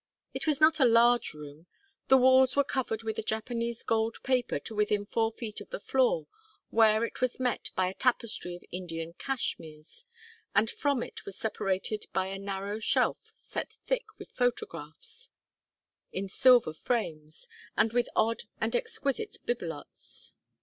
It was not a large room. The walls were covered with a Japanese gold paper to within four feet of the floor where it was met by a tapestry of Indian cashmeres, and from it was separated by a narrow shelf set thick with photographs in silver frames, and with odd and exquisite bibelots.